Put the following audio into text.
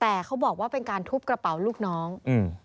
แต่เขาบอกว่าเป็นการทุบกระเป๋าลูกน้องอืม